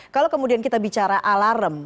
kalau kemudian kita bicara alarm